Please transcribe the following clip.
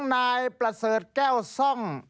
นายประเสริฐแก้วซ่อง